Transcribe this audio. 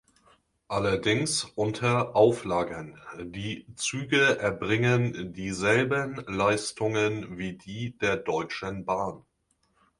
Allerdings unter Auflagen: Die Züge erbringen dieselben Leistungen wie die der Deutschen Bahn.